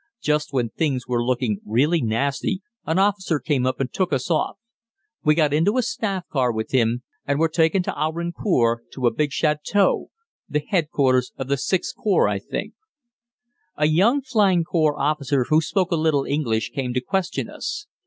Just when things were looking really nasty an officer came up and took us off. We got into a staff car with him and were taken to Havrincourt to a big château the H.Q. of the VI. Corps, I think. A young flying corps officer who spoke a little English came to question us.